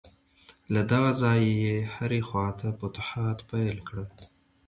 له دغه ځایه یې هرې خواته فتوحات پیل کړل.